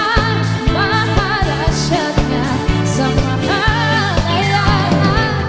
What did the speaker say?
cinta maafkan syaknya sama adanya